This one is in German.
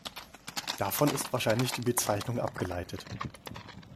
Davon ist wahrscheinlich die Bezeichnung abgeleitet.